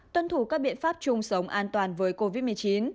tuân thủ các biện pháp chung sống an toàn với covid một mươi chín